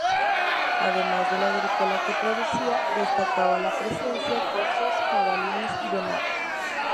Además de lo agrícola que producía, destacaba la presencia corzos, jabalíes, y venados.